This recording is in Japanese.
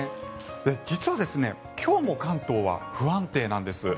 実は、今日も関東は不安定なんです。